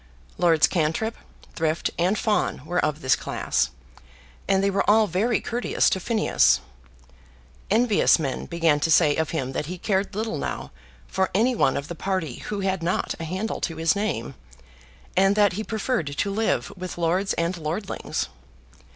Lords Cantrip, Thrift, and Fawn were of this class, and they were all very courteous to Phineas. Envious men began to say of him that he cared little now for any one of the party who had not a handle to his name, and that he preferred to live with lords and lordlings.